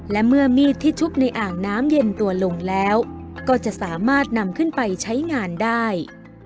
และเมื่อมีดที่ชุบในอ่างน้ำเย็นตัวลงแล้วก็จะสามารถนำขึ้นไปใช้งานได้